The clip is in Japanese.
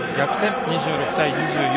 ２６対２４！